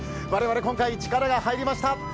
我々今回、力が入りました。